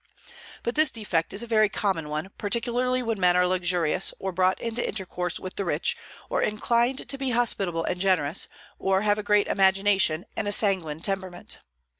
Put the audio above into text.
But this defect is a very common one, particularly when men are luxurious, or brought into intercourse with the rich, or inclined to be hospitable and generous, or have a great imagination and a sanguine temperament.